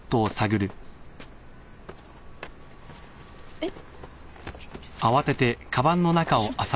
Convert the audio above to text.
えっ？